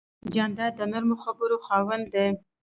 جانداد د نرمو خبرو خاوند دی.